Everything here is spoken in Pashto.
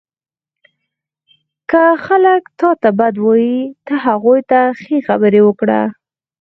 • که خلک تا ته بد وایي، ته هغوی ته ښې خبرې وکړه.